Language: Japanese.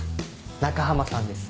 中浜さんです